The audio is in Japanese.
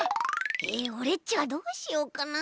えオレっちはどうしよっかなあ？